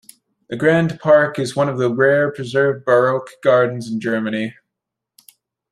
The grand park is one of the rare preserved baroque gardens in Germany.